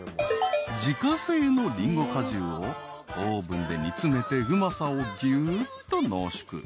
［自家製のりんご果汁をオーブンで煮詰めてうまさをぎゅーっと濃縮］